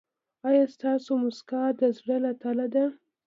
ایا ستاسو مسکا د زړه له تله ده؟